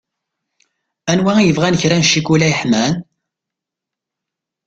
Anwa i yebɣan kra n cikula yeḥman.